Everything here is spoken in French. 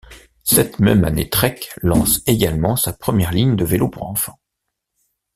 Cette même année Trek lance également sa première ligne de vélos pour enfants.